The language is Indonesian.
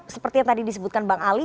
seperti yang tadi disebutkan bang ali